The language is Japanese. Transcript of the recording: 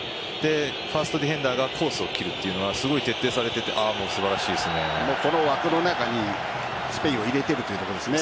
ファーストディフェンダーがコースを切るというのは徹底されていてこの枠の中にスペインを入れているということですね。